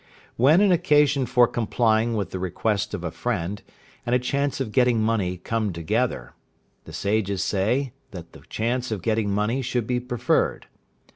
When an occasion for complying with the request of a friend, and a chance of getting money come together, the Sages say that the chance of getting money should be preferred.